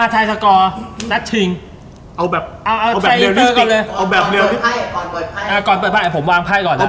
จริงจังขั้น